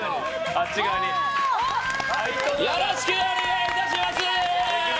よろしくお願いします！